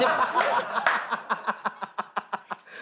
ハハハハハハ！